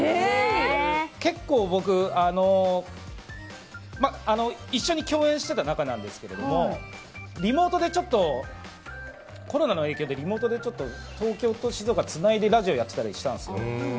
結構、僕、一緒に共演してた仲なんですけどちょっとコロナの影響でリモートで東京と静岡をつないでラジオをやってたりしたんですよ。